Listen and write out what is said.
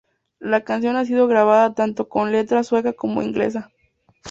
La canción ha sido grabada tanto con letra sueca como inglesa.